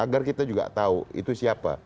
agar kita juga tahu itu siapa